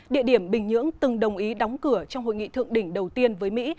địa điểm bình nhưỡng từng đồng ý đóng cửa trong hội nghị thượng đỉnh đầu tiên với mỹ